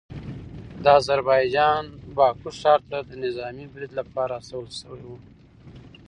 د اذربایجان باکو ښار ته د نظامي پریډ لپاره استول شوي وو